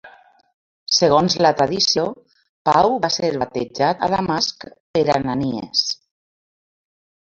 Segons la tradició, Pau va ser batejat a Damasc per Ananies.